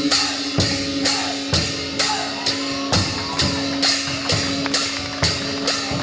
สวัสดีสวัสดี